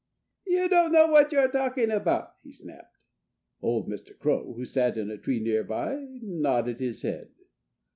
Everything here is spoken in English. "You don't know what you're talking about!" he snapped. Old Mr. Crow, who sat in a tree nearby, nodded his head.